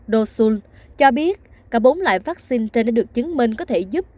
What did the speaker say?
dosul cho biết cả bốn loại vaccine trên đã được chứng minh có thể giúp